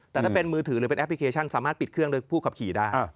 แต่ถ้าเป็นมือถือหรือเป็นแอปพลิเคชันสามารถปิดเครื่องโดยผู้ขับขี่ได้